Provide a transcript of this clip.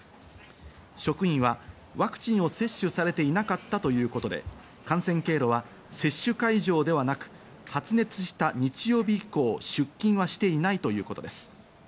職員は、ワクチンは接種されていなかったということで、感染経路は接種会場ではなく、発熱した日曜日以降、出勤はしていないということです。